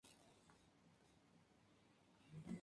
Tallulah Bankhead rechazó el papel ya que era muy corto.